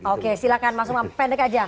oke silakan masuk ke pendek aja